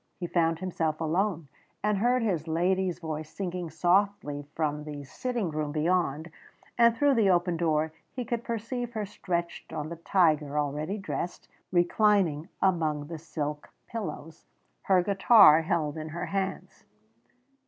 He found himself alone, and heard his lady's voice singing softly from the sitting room beyond, and through the open door he could perceive her stretched on the tiger, already dressed, reclining among the silk pillows, her guitar held in her hands.